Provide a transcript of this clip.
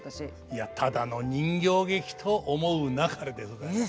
いやただの人形劇と思うなかれでございます。